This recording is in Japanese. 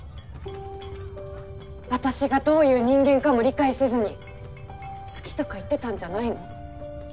私がどういう人間かも理解せずに好きとか言ってたんじゃないの？